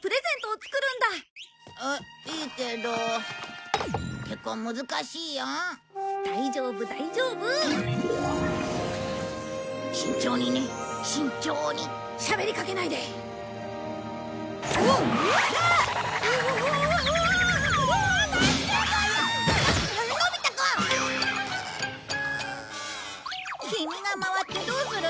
君が回ってどうするのさ。